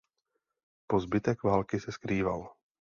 Po zbytek války se skrýval.